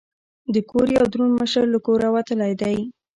د کور یو دروند مشر له کوره وتلی دی.